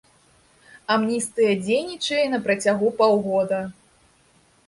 Амністыя дзейнічае на працягу паўгода.